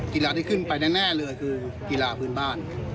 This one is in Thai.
กีฬาที่ขึ้นไปแน่เลยคือกีฬาพื้นบ้าน